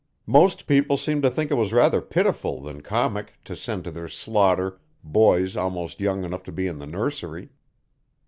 "Most people seem to think it was rather pitiful than comic to send to their slaughter boys almost young enough to be in the nursery."